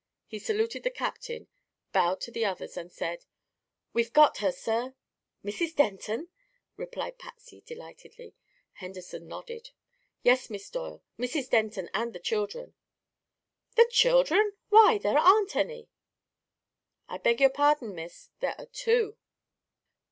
He saluted the captain, bowed to the others and said: "We've got her, sir." "Mrs. Denton?" cried Patsy, delightedly. Henderson nodded. "Yes, Miss Doyle; Mrs. Denton and the children." "The children! Why, there aren't any." "I beg your pardon, Miss; there are two."